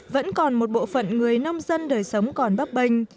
vẫn còn một bộ phận người nông dân đời sống còn bắp bênh